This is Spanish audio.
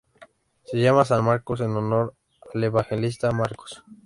Se llama San Marcos en honor al evangelista Marcos.